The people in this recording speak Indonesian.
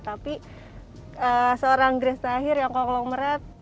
tapi seorang grace tahir yang konglomerat